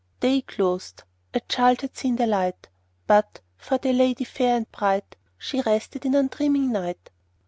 Day closed; a child had seen the light; But, for the lady fair and bright, She rested in undreaming night.